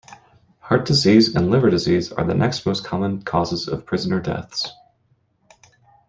Heart disease and liver disease are the next most common causes of prisoner deaths.